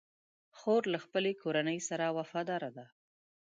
خور له خپلې کورنۍ سره وفاداره ده.